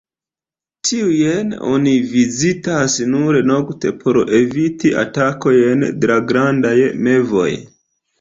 Tiujn oni vizitas nur nokte por eviti atakojn de grandaj mevoj.